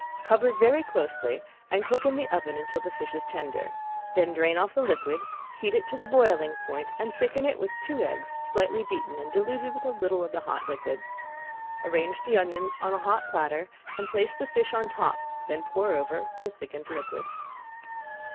Cover very closely and cook in the oven until the fish is tender. Then drain off the liquid, heat it to the boiling point, and thicken it with two eggs slightly beaten and diluted with a little of the hot liquid. Arrange the onions on a hot platter and place the fish on top, then pour over the thickened liquid.